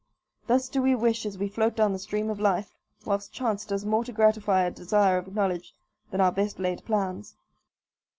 Thus do we wish as we float down the stream of life, whilst chance does more to gratify a desire of knowledge than our best laid plans.